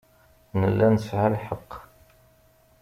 Nella nesɛa lḥeqq.